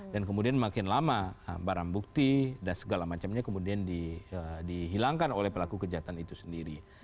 dan kemudian makin lama barang bukti dan segala macamnya kemudian dihilangkan oleh pelaku kejahatan itu sendiri